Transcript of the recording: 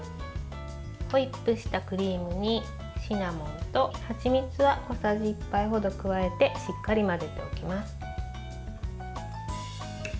ホイップしたクリームにシナモンとはちみつは小さじ１杯ほど加えてしっかり混ぜておきます。